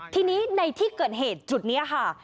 ทีนี้ในที่เกิดเหตุจุดนี้ค่ะ